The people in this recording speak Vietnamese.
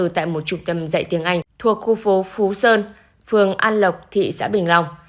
tại một trục tâm dạy tiếng anh thuộc khu phố phú sơn phường an lộc thị xã bình long